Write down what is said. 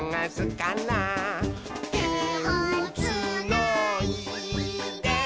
「てをつないで」